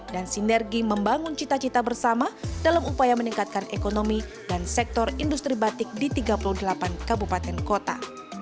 dan sinergi membangun cita cita bersama dalam upaya meningkatkan ekonomi dan sektor industri batik di tiga puluh delapan kabupaten kota